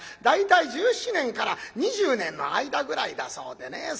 大体１７年から２０年の間ぐらいだそうでね。